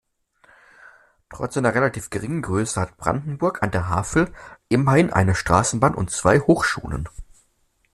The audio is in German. Trotz seiner relativ geringen Größe hat Brandenburg an der Havel immerhin eine Straßenbahn und zwei Hochschulen.